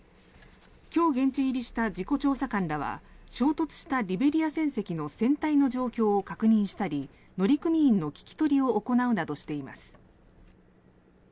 今日現地入りした事故調査官らは衝突したリベリア船籍の船体の状況を確認したり乗組員の聞き取りを行うなどしています。